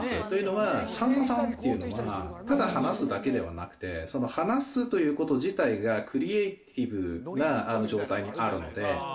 というのは、さんまさんっていうのは、ただ話すだけじゃなくて、話すということ自体がクリエーティブな状態にあるので。